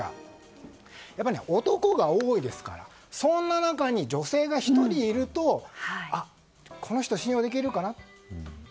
男が多いですから、そんな中に女性が１人いるとあ、この人は信用できるかなって。